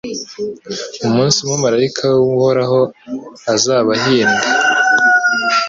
umunsi umumalayika w’Uhoraho azabahinda